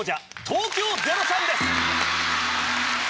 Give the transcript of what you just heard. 東京０３です。